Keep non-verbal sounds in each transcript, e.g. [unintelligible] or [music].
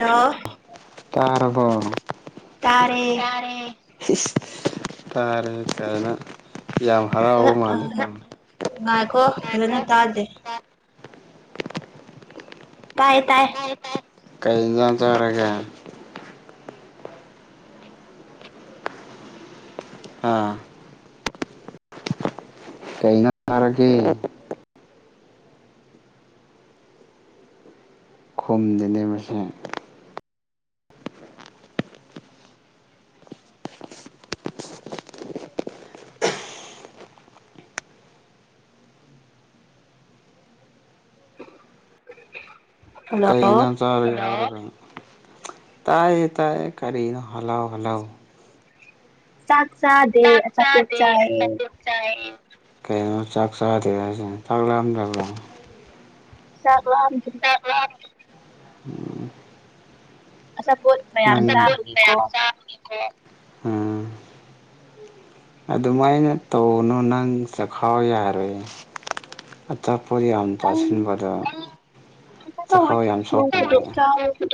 ꯍꯥꯜꯂꯣ ꯇꯥꯔꯕꯣ ꯇꯥꯔꯦ ꯇꯥꯔꯦ ꯇꯥꯔꯦ ꯀꯥꯏꯅ ꯌꯥꯝ ꯍꯔꯥꯎꯕ ꯃꯥꯜꯂꯦ ꯉꯥꯏꯈꯣ ꯐꯖꯅ ꯇꯥꯗꯦ ꯇꯥꯢꯌꯦ ꯇꯥꯏꯌꯦ ꯇꯥꯏ ꯀꯩ ꯌꯦꯟꯁꯥꯡ ꯆꯥꯔꯒꯦ ꯑꯥ ꯀꯩ ꯌꯦꯟꯁꯥꯡ ꯆꯥꯔꯒꯦ ꯈꯨꯝꯗꯦꯅꯦ ꯃꯥꯁꯦ ꯀꯩ ꯍꯜꯂꯣ ꯌꯦꯟꯁꯥꯡ ꯆꯥꯔꯒꯦ ꯇꯥꯏ ꯇꯥꯏꯌꯦ ꯀꯔꯤꯅꯣ ꯍꯜꯂꯥꯎ ꯍꯜꯂꯥꯎ ꯆꯥꯛ ꯆꯗꯦ ꯆꯥꯛ ꯑꯆꯥꯄꯣꯠ ꯆꯥꯗꯦ ꯆꯥꯑꯦ ꯑꯆꯥꯄꯣꯠ ꯀꯩꯅꯣ ꯆꯥꯛ ꯆꯥꯗꯦ ꯍꯥꯢꯁꯤ ꯆꯥꯛ ꯂꯥꯝꯗꯕꯔꯣ ꯆꯥꯛ ꯂꯥꯝꯗꯦ ꯎꯝ [unintelligible] ꯑꯆꯥꯄꯣꯠ ꯃꯌꯥꯝ ꯅꯪ ꯑꯆꯥꯄꯣꯠ ꯆꯥꯕꯒꯤꯀꯣ ꯃꯌꯥꯝ ꯆꯥꯕꯒꯤꯀꯣ ꯎꯝ ꯑꯗꯨꯃꯥꯏꯅ ꯇꯧꯒꯅꯣ ꯅꯪ ꯆꯈꯥꯎ ꯌꯥꯔꯣꯏꯌꯦ ꯑꯆꯥꯄꯣꯠ ꯌꯥꯝ ꯑꯩ ꯆꯥꯁꯤꯟꯕꯗꯣ ꯀꯩꯁꯨ ꯇꯧꯔꯣꯏ ꯆꯈꯥꯎ ꯌꯥꯝ ꯅꯣꯡ ꯐꯥꯗꯣꯛ ꯆꯥꯕꯕꯨ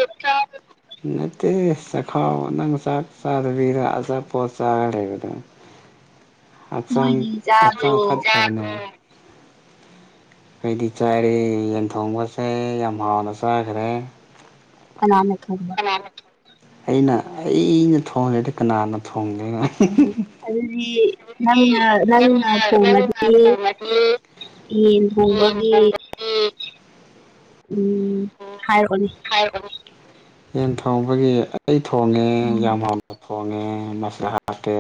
ꯅꯠꯇꯦꯍꯦ ꯆꯈꯥꯎ ꯅꯪ ꯆꯥꯛ ꯆꯥꯗꯕꯤꯗ ꯑꯆꯥꯄꯣꯠ ꯆꯥꯔ ꯂꯩꯕꯗꯣ ꯍꯛꯆꯥꯡ ꯅꯣꯏꯗꯤ ꯍꯛꯆꯥꯡ ꯆꯥꯕ꯭ꯔꯣ ꯐꯠꯇꯕꯅꯦ ꯑꯩꯩꯗꯤ ꯆꯥꯔꯦ ꯌꯦꯟ ꯊꯣꯡꯕ ꯆꯥꯌꯦ ꯌꯥꯝ ꯍꯥꯎꯅ ꯆꯥꯈ꯭ꯔꯦ ꯀꯅꯥꯅ ꯊꯣꯡꯕ ꯀꯅꯥꯅ ꯊꯣꯡꯕ ꯑꯩꯅ ꯑꯩꯅ ꯊꯣꯡꯗꯔꯗꯤ ꯀꯅꯥꯅ ꯊꯣꯡꯗꯨꯢꯅꯣ ꯍꯦ ꯍꯦ ꯑꯗꯨ ꯍꯦ [unintelligible] ꯑꯗꯨꯗꯤ ꯅꯪꯅ ꯅꯪꯅ ꯅꯪꯅ ꯊꯣꯡꯉꯗꯤ ꯊꯣꯡꯉꯗꯤ ꯌꯦꯟ ꯌꯦꯟ ꯊꯣꯡꯕꯒꯤ ꯊꯣꯡꯕꯗꯤ ꯎꯝ ꯍꯥꯏꯔꯛꯑꯣꯅꯦ ꯑ ꯍꯥꯏꯔꯛꯑꯣ ꯌꯦꯟ ꯊꯣꯡꯕꯒꯤ ꯑꯩ ꯊꯣꯡꯉꯦ ꯎꯝ ꯌꯥꯝ ꯍꯥꯎꯅ ꯊꯣꯡꯉꯦ ꯃꯁꯂꯥ ꯍꯥꯞꯄꯦ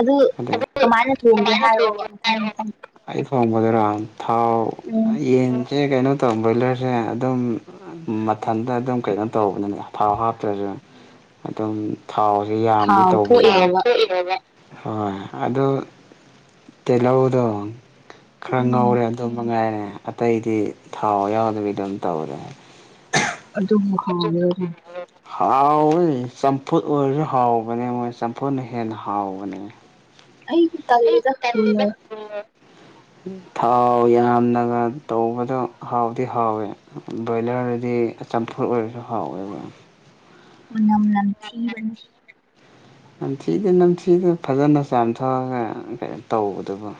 ꯑꯗꯨ ꯍꯟꯗꯛ ꯀꯃꯥꯏꯅ ꯊꯣꯡꯒꯦ ꯍꯥꯏꯔꯛꯑꯣꯕ ꯃꯊꯪ ꯃꯊꯪ ꯑꯩ ꯊꯣꯡꯕꯗꯨꯔꯣ ꯊꯥꯎ ꯎꯝ ꯌꯦꯟꯁꯦ ꯀꯩꯅꯣ ꯇꯧ ꯕꯣꯏꯂꯔꯁꯦ ꯑꯗꯨꯝ ꯃꯊꯟꯗ ꯑꯗꯨꯝ ꯀꯩꯅꯣ ꯇꯧꯕꯅꯤꯅꯦ ꯊꯥꯎ ꯍꯥꯞꯇ꯭ꯔꯖꯨ ꯑꯗꯨꯝ ꯊꯥꯎꯁꯤ ꯌꯥꯝꯗꯤ ꯊꯥꯎ ꯇꯧꯕꯗꯣ ꯊꯥꯎ ꯊꯣꯛꯏꯔꯣꯕ ꯊꯣꯛꯏꯔꯣꯕ ꯍꯣꯏ ꯑꯗꯨ ꯇꯤꯜꯍꯧꯗꯣ ꯈꯔ ꯎꯝ ꯉꯧꯔꯦ ꯑꯗꯨ ꯃꯉꯥꯏꯔꯦ ꯑꯇꯩꯗꯤ ꯊꯥꯎ ꯌꯥꯎꯗꯕꯤꯗ ꯗꯨꯝ ꯇꯧꯔꯦ ꯑꯗꯨꯕꯨ ꯍꯥꯎꯔꯣꯏꯅꯦ [unintelligible] ꯍꯥꯎꯋꯦ ꯆꯝꯐꯨꯠ ꯑꯣꯏꯔꯖꯨ ꯍꯥꯎꯕꯅꯦ ꯃꯣꯏ ꯆꯝꯐꯨꯠꯅ ꯍꯦꯟꯅ ꯍꯥꯎꯕꯅꯦ ꯑꯩꯗꯤ ꯇꯜꯂꯦꯗ ꯃꯨꯟꯅ ꯊꯥꯎ ꯌꯥꯝꯅꯒ ꯇꯧꯕꯗꯣ ꯍꯥꯎꯗꯤ ꯍꯥꯎꯋꯦ ꯕꯣꯏꯂꯔꯗꯗꯤ ꯆꯝꯐꯨꯠ ꯑꯣꯏꯔꯁꯨ ꯍꯥꯎꯋꯦꯕ ꯃꯅꯝ ꯅꯝꯊꯤꯕꯅꯦ ꯅꯝꯊꯤꯗꯦ ꯅꯝꯊꯤꯗꯦ ꯐꯖꯅ ꯆꯥꯝꯊꯣꯛꯑꯒ ꯀꯩꯅꯣ ꯇꯧꯕꯗꯨꯕꯨ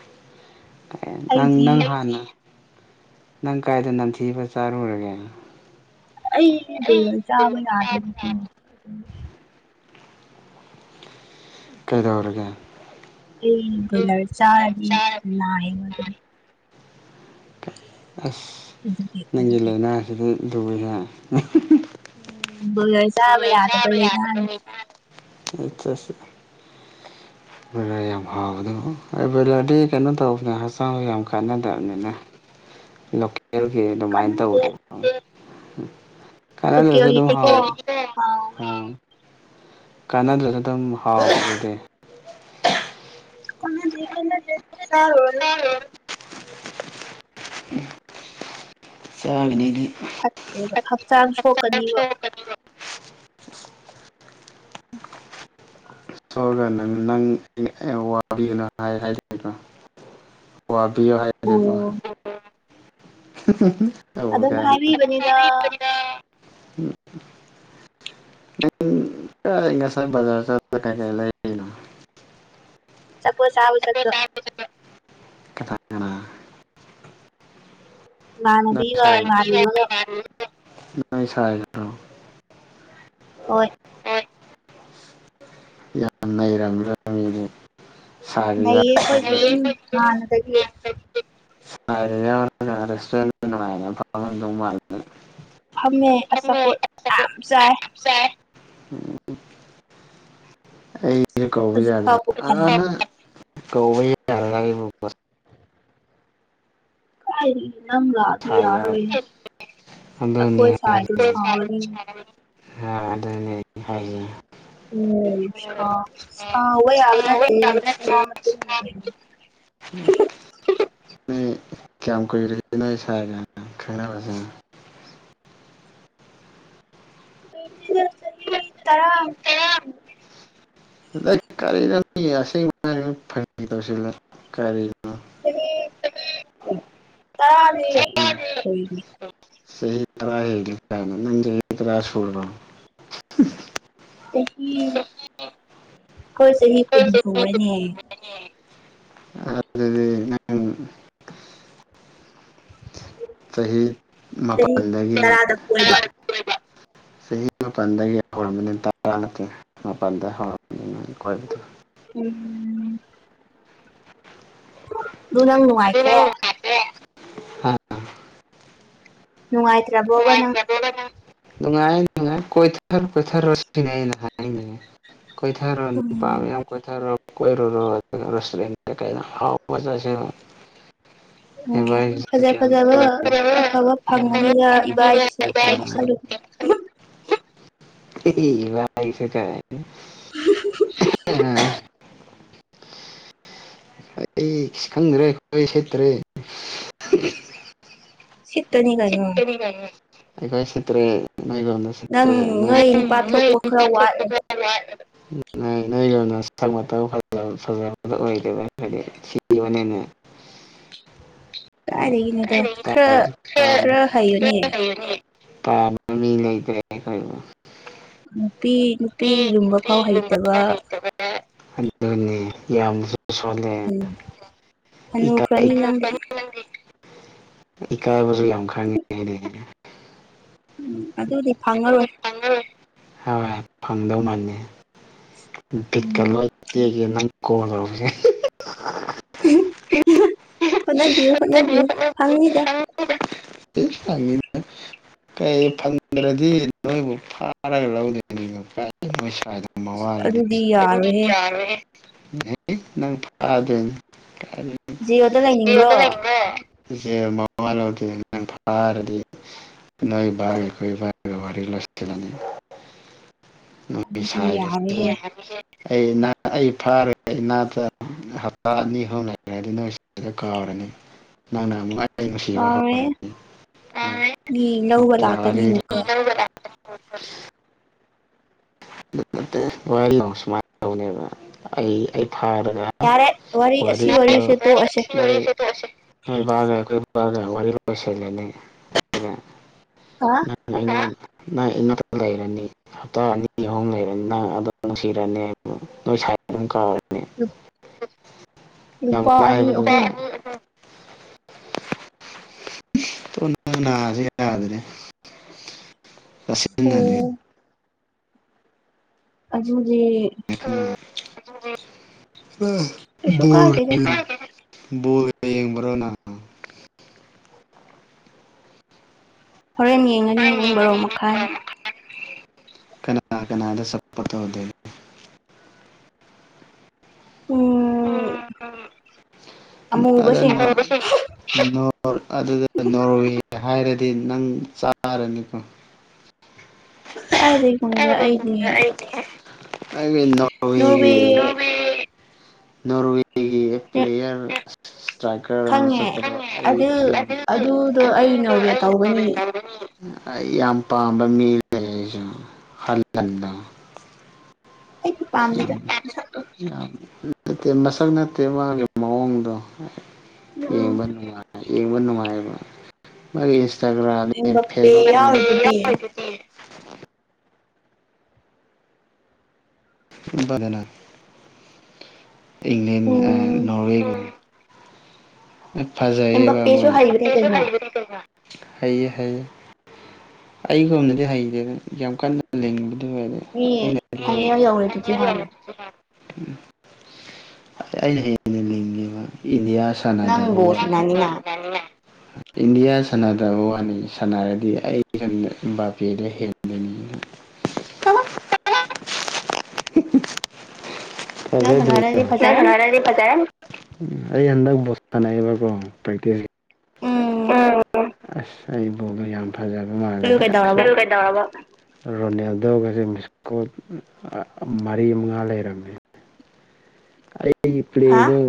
ꯅꯪ ꯑꯩꯗꯤ ꯅꯪ ꯍꯥꯟꯅ ꯅꯪ ꯀꯥꯏꯗ ꯅꯝꯊꯤꯕ ꯆꯥꯔꯨꯔꯒꯦ ꯑꯩ ꯕꯣꯏꯂꯔ ꯆꯥꯕ ꯌꯥꯗꯦꯕꯀꯣ ꯀꯩꯗꯧꯔꯒꯦ ꯑꯩ ꯕꯣꯏꯂꯔ ꯆꯥꯔꯗꯤ ꯅꯥꯏꯌꯦꯕ ꯑꯗꯨꯝ ꯑꯁ ꯑꯗꯨꯒꯤ ꯅꯪꯒꯤ ꯂꯩꯅꯥꯁꯤꯗꯤ ꯂꯨꯔꯦꯍꯦ ꯕꯣꯏꯂꯔ ꯆꯥꯕ ꯌꯥꯗꯕ ꯂꯩꯅꯥꯗꯨ ꯅꯠꯇꯔꯁꯨ ꯕꯣꯏꯂꯔ ꯌꯥꯝ ꯍꯥꯎꯕꯗꯨꯕꯨ ꯑꯦ ꯕꯣꯏꯂꯔꯗꯤ ꯀꯩꯅꯣ ꯇꯧꯕꯅꯦ ꯍꯛꯆꯥꯡ ꯌꯥꯝ ꯀꯥꯟꯅꯗꯕꯅꯤꯅꯦ ꯂꯣꯀꯦꯜꯒꯤ ꯑꯗꯨꯃꯥꯏꯅ ꯀꯥꯟꯅꯗꯦ ꯇꯧꯕꯗꯨ ꯀꯥꯟꯅꯗꯔꯁꯨ ꯑꯗꯨꯝ ꯍꯥꯎ ꯂꯣꯀꯦꯜꯒꯤꯗꯤꯀꯣ ꯍꯥꯎꯕꯅꯤ ꯀꯥꯟꯅꯗ꯭ꯔꯁꯨ ꯑꯗꯨꯝ ꯍꯥꯎꯕꯅꯤ ꯀꯩꯅꯣ ꯀꯥꯟꯅꯗꯦ ꯀꯥꯟꯅꯗꯦ ꯆꯥꯔꯨꯔꯅꯨ ꯆꯥꯒꯅꯤ ꯑꯩꯗꯤ ꯐꯠꯇ꯭ꯔꯦꯕ ꯍꯛꯆꯥꯡ ꯁꯣꯛꯀꯅꯤꯕ ꯁꯣꯛꯑꯒꯅ ꯅꯪ ꯑꯩ ꯑꯩ ꯋꯥꯕꯤꯌꯣꯅ ꯍꯥꯏ ꯍꯥꯏꯔꯣꯏꯗ ꯋꯥꯕꯤꯌꯣ ꯍꯥꯏꯗꯦꯀꯣ ꯑꯣ ꯇꯧ ꯑꯗꯨꯝ ꯀꯥꯏꯅ ꯍꯥꯏꯕꯤꯕꯅꯤꯗ ꯑꯩ ꯉꯁꯥꯏ ꯕꯖꯥꯔ ꯆꯠ ꯀꯩ ꯀꯩ ꯂꯩꯩꯗꯣꯏꯅꯣ ꯆꯄꯣꯠ ꯆꯥꯕ ꯆꯠꯄꯥ [unintelligible] ꯀꯅꯥ ꯀꯅꯥ ꯅꯣꯏ ꯏꯃꯥꯟꯅꯕꯤꯒ ꯁꯥꯏ ꯏꯃꯥꯟꯅꯕꯒ ꯅꯣꯏ ꯁꯥꯏꯒꯔꯣ ꯍꯣꯏ ꯌꯥꯝ ꯅꯩꯔꯝ [unintelligible] ꯁꯥꯔꯤꯌꯥ ꯅꯩꯌꯦ ꯑꯩꯈꯣꯏꯗꯤ ꯑꯗꯨꯝ ꯍꯥꯟꯅꯗꯒꯤ [unintelligible] ꯁꯥꯏ ꯌꯥꯎꯔ ꯔꯦꯇꯨꯔꯦꯟꯗ ꯅꯨꯡꯉꯥꯏ ꯐꯝꯃꯝꯗꯧ ꯃꯥꯜ ꯐꯝꯃꯦ ꯑꯆꯥꯄꯣꯠ ꯌꯥꯝ ꯆꯥꯏ ꯆꯥꯏ [unintelligible] ꯑꯩꯗꯤ ꯀꯧꯕ ꯌꯥꯗ꯭ꯔ ꯍꯧꯖꯤꯛꯐꯥꯎ ꯄꯨꯛ ꯊꯜꯂꯦ ꯀꯧꯕ ꯌꯥꯔ ꯍꯥꯏꯗꯤ ꯅꯪ ꯂꯥꯛꯑꯗꯤ ꯁꯥꯏ ꯌꯥꯔꯣꯏꯌꯦ ꯌꯥꯎꯔꯗꯤ ꯑꯩꯈꯣꯏ ꯑꯗꯨꯅꯤ ꯁꯥꯏꯗꯣ ꯁꯥꯎꯔꯅꯤ ꯑꯗꯨ ꯍꯥꯏ [unintelligible] ꯎꯝ ꯁꯥꯏ ꯁꯥꯎꯕ ꯌꯥꯕ ꯅꯠꯇꯦ ꯁꯅꯥ ꯃꯇꯨꯝꯅꯦ ꯅꯣꯏ ꯀꯌꯥꯝ ꯀꯨꯏꯔꯦ ꯅꯣꯏ ꯁꯥꯏꯒ ꯈꯪꯅꯕꯁꯦ [unintelligible] ꯇꯔꯥ ꯑꯗ ꯀꯔꯤꯅꯣ ꯑꯁꯦꯡꯕ ꯍꯥꯏꯌꯨ ꯐꯒꯤ ꯇꯧꯁꯤꯂ ꯀꯔꯤꯅꯣ ꯆꯍꯤ ꯇꯔꯥꯅꯦ ꯆꯍꯤ ꯆꯍꯤ ꯇꯔꯥ ꯍꯦꯜꯂꯦ ꯀꯥꯏꯅ ꯅꯪ ꯆꯍꯤ ꯇꯔꯥ ꯁꯨꯔꯕꯣ ꯆꯍꯤ ꯈꯣꯏ ꯆꯍꯤ ꯀꯨꯟ ꯁꯨꯔꯦꯅꯦ [unintelligible] ꯑꯗꯨꯗꯤ ꯅꯪ ꯆꯍꯤ ꯆꯍꯤ ꯃꯄꯥꯟꯗꯒꯤꯅꯦ ꯇꯔꯥꯗ ꯀꯣꯏꯕ ꯆꯍꯤ ꯃꯥꯄꯜꯗꯒꯤ ꯍꯧꯔꯝꯃꯅꯤ ꯇꯔꯥ ꯅꯠꯇꯦ ꯃꯥꯄꯜꯗ ꯍꯧꯔꯝꯕꯅꯤ ꯑꯈꯣꯏꯒꯤꯗꯤ ꯎꯝꯝ ꯑꯗꯨꯨ ꯅꯪ ꯅꯨꯡꯉꯥꯏꯇ꯭ꯔꯦ ꯅꯨꯡꯉꯥꯏꯇ꯭ꯔꯕꯣꯕ ꯅꯪ ꯅꯨꯡꯉꯥꯏ ꯅꯨꯡꯉꯥꯏ ꯀꯣꯏꯊꯔꯣ ꯀꯣꯏꯊꯔꯣ ꯁꯤꯅꯦ ꯍꯥꯏꯅꯤꯡꯉꯤꯁꯦ ꯀꯣꯏꯊꯔꯣ ꯅꯨꯄꯥ ꯎꯝ ꯃꯌꯥꯝ ꯀꯣꯏꯊꯔꯣ ꯀꯣꯏꯔꯨꯔꯣ ꯑꯗꯨꯒ ꯔꯦꯁꯇꯨꯔꯦꯟꯗ ꯀꯩꯗ ꯑꯍꯥꯎꯕ ꯆꯁꯤꯜꯂꯣ [inaudible] ꯎꯝ ꯐꯖ ꯐꯖꯕ ꯑꯐꯕ ꯐꯪꯕꯒꯤꯒ ꯏꯕꯥꯒꯤꯁꯨ ꯀꯩꯝ ꯈꯜꯂꯨꯅꯨ ꯏ ꯏꯕꯥꯏꯒ ꯀꯥꯏ [unintelligible] ꯑꯩ ꯏꯁ ꯈꯪꯗ꯭ꯔꯦ ꯈꯨꯗꯩ ꯁꯦꯠꯇ꯭ꯔꯦ ꯁꯤꯠꯇꯅꯤ ꯀꯩꯅꯣ [unintelligible] ꯑꯩꯈꯣꯏ ꯁꯤꯠꯇꯔꯦ ꯅꯣꯏꯒꯨꯝꯅ ꯅꯪ ꯅꯣꯏ ꯅꯣꯏ ꯇꯥꯊꯣꯛꯄ ꯈꯔ ꯋꯥꯠꯂꯦꯕ [unintelligible] ꯅꯣꯏꯒꯨꯝꯅ ꯃꯁꯛ ꯃꯇꯧ ꯐꯖ ꯐꯖꯕ ꯑꯣꯏꯗꯦꯕ ꯑꯩꯈꯣꯏꯗꯤ ꯊꯤꯕꯅꯤꯅ ꯀꯥꯏꯗꯒꯤꯅꯣꯗ ꯈꯔ ꯈꯔ ꯍꯩꯌꯨꯅꯦ ꯄꯥꯝꯕ ꯃꯤ ꯂꯩꯇ꯭ꯔꯦ ꯑꯈꯣꯏꯕꯨ ꯅꯨꯄꯤ ꯅꯨꯄꯤ ꯂꯨꯝꯕ ꯐꯥꯎ ꯍꯩꯇꯕ [unintelligible] ꯑꯗꯨꯅꯤ ꯌꯥꯝ ꯁꯣꯜꯂꯦ ꯎꯝ ꯏꯀꯥꯏ ꯍꯅꯨꯈ꯭ꯔꯅꯤ ꯅꯪꯗꯤ ꯢꯀꯥꯏꯕꯁꯨ ꯌꯥꯝ ꯈꯪꯉꯤꯅꯦꯍꯦ ꯎꯝ ꯑꯗꯨꯗꯤ ꯐꯪꯉꯔꯣꯏ ꯐꯪꯉꯔꯣꯏ ꯍꯥ ꯐꯪꯗꯧ ꯃꯥꯟꯗꯦ ꯕꯤꯠꯀ ꯎꯝ ꯂꯣꯏ ꯅꯨꯡꯇꯤꯒꯤ ꯅꯪ ꯀꯣꯜ ꯇꯧꯕꯁꯦ ꯍꯣꯠꯅꯕꯤꯌꯨ ꯍꯣꯠꯅꯕꯤꯌꯨ ꯐꯪꯅꯤꯗ ꯐꯪꯅꯤꯗ ꯀꯩ ꯐꯪꯗ꯭ꯔꯗꯤ ꯅꯣꯏꯕꯨ ꯐꯥꯔꯒ ꯂꯧꯗꯣꯏꯅꯤ [unintelligible] ꯃꯋꯥ ꯂꯧꯗꯦ ꯑꯗꯨꯗꯤ ꯑꯗꯨꯗꯤ ꯌꯥꯔꯣꯏꯍꯦ ꯌꯥꯔꯣꯏꯍꯦ ꯅꯪ ꯐꯗꯣꯏꯅꯤ ꯖꯦꯜꯗ ꯂꯩꯅꯤꯡꯕ꯭ꯔꯣ ꯖꯦꯜ ꯃꯋꯥ ꯂꯧꯗꯦ ꯅꯪ ꯐꯥꯔꯗꯤ ꯅꯣꯏ ꯕꯥꯏ ꯅꯣꯏ ꯕꯥꯏꯒ ꯋꯥꯔꯤ ꯂꯣꯏꯁꯜꯂꯅꯤ ꯅꯣꯏ ꯑꯗꯨꯗꯤ ꯁꯥꯏꯒꯗꯤ ꯌꯥꯔꯣꯏꯍꯦ ꯑꯩ ꯑꯩ ꯐꯥꯔꯒ ꯏꯅꯥꯛꯇ ꯍꯞꯇꯥ ꯑꯅꯤ ꯍꯧꯅꯈ꯭ꯔꯗꯤ ꯅꯣꯏ ꯁꯥꯏꯗꯣ ꯀꯥꯎꯔꯅꯤ ꯅꯪꯅ ꯅꯨꯡꯉꯥꯏ ꯌꯥꯔꯣꯋꯦ ꯃꯤ ꯂꯧꯕ ꯅꯠꯇ꯭ꯔ ꯂꯥꯛꯀꯅꯤ [unintelligible] ꯂꯥꯛꯀꯅꯤ [inaudible] ꯅꯠꯇꯦ ꯋꯥꯔꯤꯕꯨ ꯁꯨꯃꯥꯏ ꯇꯧꯅꯤꯕ ꯑꯩ ꯑꯩ ꯐꯥꯔ ꯌꯥꯔꯦ ꯋꯥꯔꯤ ꯑꯁꯤ ꯋꯥꯔꯤꯁꯦ ꯇꯣꯛ ꯑꯁꯦ ꯇꯣꯛꯑꯁꯦ ꯅꯣꯏ ꯕꯥꯒ ꯑꯩꯈꯣꯏ ꯕꯥꯒ ꯋꯥꯔꯤ ꯂꯣꯏꯁꯜꯂꯅꯤ ꯑ ꯅꯪ ꯅꯪ ꯏꯅꯥꯛꯇꯥ ꯂꯩꯔꯅꯤ ꯍꯞꯇꯥ ꯑꯅꯤ ꯑꯍꯨꯝ ꯂꯩꯔꯅꯤ ꯅꯪ ꯑꯗꯨꯝ ꯅꯨꯡꯁꯤꯔꯅꯤ ꯅꯣꯏ ꯁꯥꯏ ꯑꯗꯨꯝ ꯀꯥꯎꯔꯅꯤ ꯎꯝ ꯑꯍꯨꯝ [unintelligible] ꯅꯥꯁꯦ ꯌꯥꯗ꯭ꯔꯦ ꯆꯥꯁꯤꯟꯅꯔꯦ ꯎꯝ ꯑꯗꯨꯗꯤ ꯀꯩꯁꯨ ꯀꯥꯏꯗꯦꯗ [unintelligible] ꯕꯣꯜ ꯌꯦꯡꯕꯔꯣ ꯅꯪ ꯍꯣꯔꯦꯟ ꯌꯦꯡ ꯍꯣꯔꯦꯟ ꯌꯦꯡꯒꯅꯤ [unintelligible] ꯀꯅꯥ ꯀꯅꯥꯗ ꯆꯠꯄꯗꯣ ꯎꯝ ꯑꯃꯨꯕꯁꯤꯡ [inaudible] ꯑꯗꯨꯗ ꯅꯣꯔꯋꯦ ꯍꯥꯏꯔꯗꯤ ꯅꯪ ꯆꯥꯔꯅꯤꯀꯣ [unintelligible] ꯑꯩꯒꯤ ꯅꯣꯔꯋꯦꯒꯤ ꯅꯣꯔꯋꯦ ꯅꯣꯔꯋꯦ ꯄ꯭ꯂꯦꯌꯔ ꯇ꯭ꯔꯥꯏꯀꯔ ꯑꯃ ꯈꯪꯉꯦ ꯆꯠꯄꯗꯣ ꯑꯗꯨ ꯈꯪꯉꯦ ꯑꯗꯨꯗꯣ ꯑꯩ ꯅꯣꯔꯋꯦ ꯑꯩ ꯇꯧꯒꯅꯤ [unintelligible] ꯑꯩ ꯌꯥꯝ ꯄꯥꯝꯕ ꯃꯤ ꯂꯩ ꯑꯩꯁꯨ ꯍꯜꯍꯟꯕ [unintelligible] ꯑꯩꯗꯤ ꯄꯥꯝꯗꯦꯗ ꯃꯁꯛꯇꯣ [unintelligible] ꯌꯥꯝ ꯅꯠꯇꯦ ꯃꯁꯛ ꯅꯠꯇꯦ ꯃꯥꯒꯤ ꯃꯑꯣꯡꯗꯣ ꯎꯝ ꯌꯦꯡꯕ ꯌꯦꯡꯕ ꯅꯨꯡꯉꯥꯏꯌꯦꯕ ꯃꯥꯒꯤ ꯏꯟꯁꯇꯥꯒ꯭ꯔꯥꯝꯅꯦ ꯑꯦꯝꯕꯄꯦ ꯐꯦꯁꯕꯨꯛꯇꯅꯦ ꯌꯥꯎꯔꯤꯗꯨꯗꯤ ꯍ [unintelligible] ꯔꯦꯅ [unintelligible] ꯏꯪꯂꯦꯟ ꯎꯝ ꯅꯣꯔꯋꯦꯒ ꯐꯖꯩꯕ ꯑꯦꯝꯕꯄꯦꯁꯨ ꯃꯣꯏ ꯍꯩꯕꯅꯦ ꯀꯩꯅꯣ ꯍꯩ ꯍꯩ ꯑꯩꯒꯣꯟꯗꯗꯤ ꯍꯩꯇ‌ꯦꯗ ꯌꯥꯝ ꯀꯟꯅ ꯂꯤꯡꯕꯗꯨ ꯑꯣꯏꯔꯦ ꯃꯤ ꯑꯩꯅ ꯐꯥꯏꯅꯦꯜ ꯌꯧꯔꯦꯗꯨꯗꯤ ꯍꯥꯟꯅ ꯑꯩꯅ ꯍꯦꯟꯅ ꯂꯤꯡꯉꯦꯕ ꯏꯟꯗꯤꯌꯥꯁꯨ ꯅꯪ ꯆꯅꯗꯕ ꯕꯣꯜ ꯁꯥꯟꯅꯅꯤꯅ [unintelligible] ꯏꯟꯗꯤꯌꯥ ꯁꯥꯟꯅꯗ [unintelligible] ꯕ ꯋꯥꯅꯤ ꯁꯥꯟꯅꯔꯗꯤ ꯑꯩ ꯁꯝꯗ ꯏꯕꯥ ꯄꯦꯗ ꯍꯦꯜꯂꯤ ꯅꯪ ꯁꯥꯟꯅꯔꯗꯤ ꯐꯖꯔꯅꯤ ꯔꯗꯤ ꯄ [unintelligible] ꯑꯩ ꯍꯟꯗꯛ ꯕꫭꯜ ꯁꯥꯟꯅꯩꯕꯀꯣ ꯄ꯭ꯔꯦꯛꯇꯤꯁ ꯎꯝ ꯑꯁ ꯑꯩ ꯕꯣꯜꯗꫭ ꯌꯥꯝ ꯐꯖꯕ ꯃꯥꯜꯂꯦ ꯑꯗꯨ ꯀꯩꯗꯧꯔꯕ ꯑꯁ ꯔꯣꯅꯦꯜꯗꯣꯒꯁꯦ ꯃꯤꯁꯀꯣ ꯃꯔꯤ ꯃꯉꯥ ꯂꯩꯔꯝꯃꯦ ꯑꯩꯒꯤ ꯍꯥ ꯄꯂ‌ꯦꯗꫭ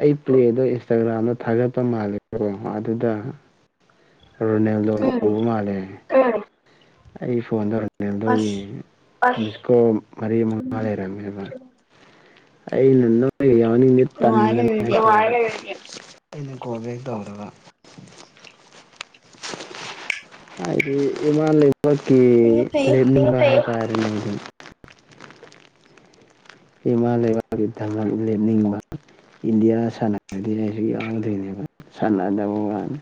ꯑꯩ ꯄ꯭ꯂꯦꯗꯣ ꯏꯟꯁꯇꯥꯒ꯭ꯔꯥꯝꯗ ꯊꯥꯒꯠꯄ ꯃꯥꯜꯂꯦꯀꯣ ꯑꯗꯨꯗ ꯔꯣꯅꯦꯜꯗꯣꯗ ꯎꯝ ꯎꯕ ꯃꯥꯜꯂꯦ ꯑꯩ ꯐꯣꯟꯗ ꯔꯣꯅꯦꯜꯗꯣꯒꯤ ꯑꯁ ꯃꯤꯁ ꯀꯣꯜ ꯃꯔꯤ ꯃꯉꯥ ꯂꯩꯔꯝꯃ‌ꯦꯕ ꯑꯩꯩꯅꯅ ꯃ [unintelligible] ꯌꯥꯎꯅꯤ ꯏ ꯇꯟ ꯅꯨꯡꯉꯥꯏꯅꯦ ꯑꯗꯨꯗꯤ ꯑꯩꯅ ꯀꯣꯜ ꯕꯦꯛ ꯇꯧꯗꯕ ꯍꯥꯏꯕꯗꯤ ꯏꯕꯅꯤ ꯐꯩꯌꯦ ꯐꯩꯌꯦ ꯂꯕꯅ [unintelligible] ꯀꯔ [unintelligible] ꯂꯩ ꯑꯗꯨ [unintelligible] ꯏꯃꯥ ꯂꯩꯕꯥꯛꯀꯤ ꯗꯃꯛ ꯂꯦꯞꯅꯤꯡꯕ ꯏꯟꯗꯤꯌꯥ ꯁꯥꯟꯅꯔꯗꯤ ꯑꯩꯁꯨ ꯌꯥꯎꯍꯟꯗꯣꯏꯅꯦꯕ ꯁꯥꯟꯅꯗꯕ ꯋꯥꯅꯤ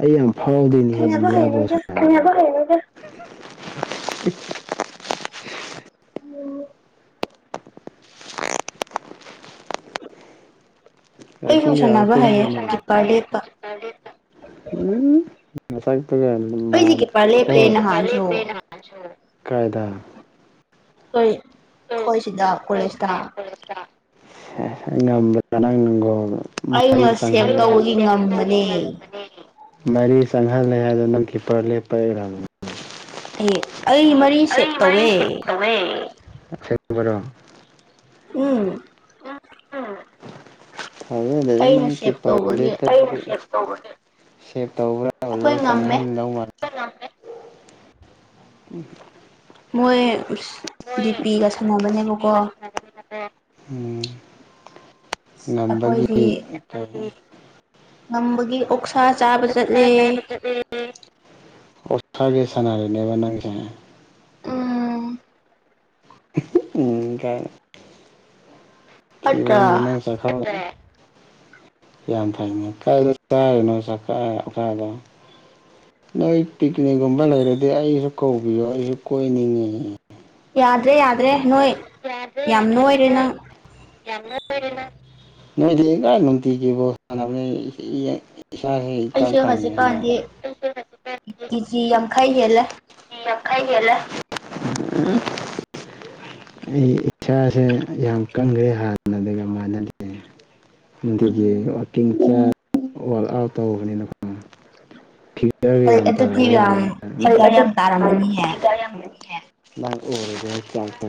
ꯑꯩ ꯌꯥꯝ ꯐꯥꯎꯗꯣꯏꯅꯤꯍ [unintelligible] ꯁꯥꯟꯅꯕ ꯏꯟꯗꯤꯌꯥ ꯣꯁ ꯍꯩꯔꯣꯏꯗ ꯎꯝ ꯑ [unintelligible] ꯑꯩꯁꯨ ꯄꯨꯡ ꯀꯌꯥꯗ ꯁꯥꯟꯅꯕ ꯍꯩꯌꯦ ꯇꯨꯝꯗꫭꯏꯅꫭ ꯀꯤꯞꯄꯔ ꯂꯦꯞꯄ ꯎꯝ ꯃꯁꯒꯤ ꯇꯔ ꯑꯩꯗꯤ ꯀꯤꯞꯄꯔ ꯂꯦꯞꯄꯦ ꯅꯍꯥꯟꯁꯨ [unintelligible] ꯀꯥꯏꯗ ꯑꯩꯈꯣꯏ ꯁꯤꯗ ꯀꯣꯂꯦꯖꯇ ꯉꯕꯅ [unintelligible] ꯅꯪ ꯅꯣ [unintelligible] ꯃꯥꯔꯤ ꯑꯩꯅ ꯁꯒ ꯁꯦꯞ ꯇꯧꯕꯒꯤ ꯉꯝꯕꯅꯦ [unintelligible] ꯃꯔꯤ ꯆꯪꯍꯜꯂꯦ ꯍꯥꯏꯗꯨ ꯅꯪ ꯀꯤꯄꯔ ꯂꯦꯞꯄꯩꯔꯥ ꯑꯩ ꯑꯩ ꯃꯔꯤ ꯁꯦꯞ ꯑꯩ ꯃꯔꯤ ꯇꯧꯋꯦ [unintelligible] ꯎꯝ ꯑ [unintelligible] ꯊꯖꯗ‌ꯦꯗ ꯑꯩꯅ ꯅꯪ [unintelligible] ꯁꯦꯞ ꯇꯧꯕꯒꯤ ꯀꯦꯄꯔꯦꯠꯇꯚ ꯇꯧꯕ꯭ꯔꯥ ꯑꯩꯈꯣꯏ ꯂꯣꯏ ꯉꯝꯃꯦ ꯆꯪꯍꯥꯟꯗꯧ [unintelligible] ꯃꯣꯏ ꯖꯤꯄꯤꯒ ꯁꯥꯟꯅꯕꯅꯦꯕꯀꯣ ꯎꯝ ꯑꯩꯈꯣꯏꯗꯤ ꯎ [unintelligible] ꯅꯝꯕꯒꯤ ꯑꯣꯠꯁꯥꯒꯦ ꯁꯅꯔꯦꯅꯦꯕ ꯅꯪꯁꯦ ꯎꯝ ꯎꯝ ꯀ ꯐꯠꯇ꯭ꯔꯥ ꯊꯕꯣꯅꯪ ꯆ ꯈꯦ [unintelligible] ꯌꯥꯝ ꯐꯩꯅꯦ ꯀꯥꯏꯗ ꯆꯥꯔꯤꯅꯣ ꯆꯀꯥꯀꯥꯗꯣ [unintelligible] ꯅꯣꯏ ꯄꯤꯛꯅꯤꯛꯒꯨꯝꯕ ꯂꯩꯔꯗꯤ ꯑꯩꯁꯨ ꯀꯧꯕꯤꯌꯣ ꯑꯩꯁꯨ ꯀꯣꯏꯅꯤꯡꯉꯤ ꯌꯥꯗ꯭ꯔꯦ ꯌꯥꯗ꯭ꯔꯦ ꯅꯣꯏ ꯌꯥꯗ꯭ꯔ‌ꯦ ꯌꯥꯝ ꯌꯥꯗ꯭ꯔ‌ꯦ ꯅꯣꯏꯔꯦ ꯅꯣꯏ ꯅꯪ ꯅꯣꯏꯗꯤ ꯀ [unintelligible] ꯅꯨꯡꯇꯒꯤ ꯕꫭꯜ ꯁꯥꯟꯅ [unintelligible] ꯁ ꯍꯛꯇ ꯑꯩꯁꯦ ꯀꯉꯅ [unintelligible] ꯍꯧꯖꯤꯛꯀꯥꯟꯗꯤ ꯀꯦꯖꯤ ꯌꯥꯡꯈꯩ ꯍꯦꯜꯂꯦ ꯎ ꯅ [unintelligible] ꯈꯥꯏꯕꯤꯒꯂ [unintelligible] ꯎꯝ [unintelligible] ꯑꯩ ꯏꯁꯥꯁꯦ ꯌꯥꯝ ꯀꯟꯈ꯭ꯔꯦ ꯍꯥꯟꯅ ꯑꯗꯨꯒꯒ [unintelligible] ꯃꯥꯟꯅꯗꯦ ꯅꯨꯡꯇꯤꯒꯤ ꯋꯥꯀꯤꯡ [unintelligible] ꯋꯥꯔꯛꯏ ꯑꯥꯎꯠ ꯇꯧꯕꯅꯤꯅꯀꯣ ꯎ [unintelligible] ꯒꯤ [unintelligible] ꯌꯥꯝ ꯇꯥꯔꯖꯥꯠꯅꯤ [unintelligible] ꯌꯥꯝ ꯇꯥꯔꯝꯃꯅꯤꯍꯦ ꯅꯪ ꯎꯔꯗꯤ ꯑꯣꯏꯔ [unintelligible] ꯆꯄ